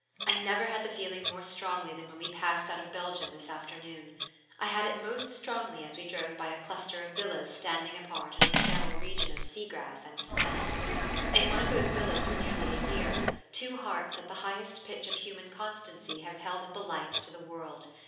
I never had the feeling more strongly than when we passed out of Belgium this afternoon. I had it most strongly as we drove by a cluster of villas standing apart in a sterile region of sea grass and sand. In one of those villas for nearly a year, two hearts at the highest pitch of human constancy have held up a light to the world.